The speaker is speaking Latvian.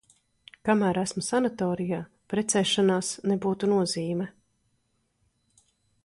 Kamēr esmu sanatorijā – precēšanās nebūtu nozīme.